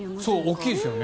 大きいですよね。